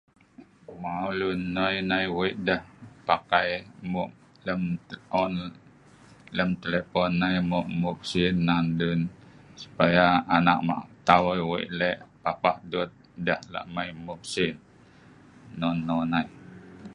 Maw, luen nnoi nai wei deeh pakai mmueb lem telepon, lem telefon nai mmueb-mmueb sin nan luen supaya anak maq taw wei le’ papah duet deeh la’ mai mmueb sin, non-non ai